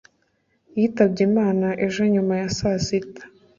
yitabye imana ejo nyuma ya saa sita